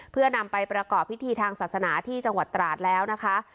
เพื่อนำไปประกอบพิธีทางศาสนาที่จังหวัดตราดแล้วนะคะ